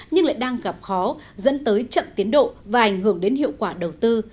nhưng lại đang gặp khó dẫn tới chậm tiến độ và ảnh hưởng đến hiệu quả đầu tư